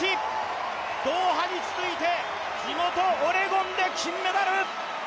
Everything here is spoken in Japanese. ドーハに続いて、地元オレゴンで金メダル！